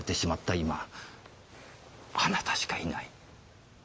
今あなたしかいない。